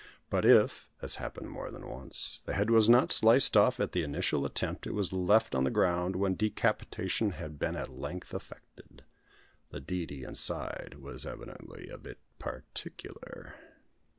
But if, as happened more than once, the head was not sliced off at the initial attempt, it was left on the ground when decapitation had been at length effected. The deity inside was evidently a bit particular!